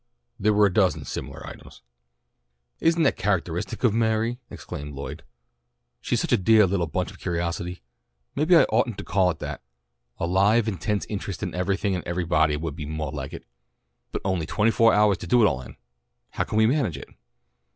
There were a dozen similar items. "Isn't that characteristic of Mary?" exclaimed Lloyd. "She's such a deah little bunch of curiosity. Maybe I oughtn't to call it that. A live, intense interest in everything and everybody would be moah like it. But only twenty foah hours to do it all in! How can we manage it?"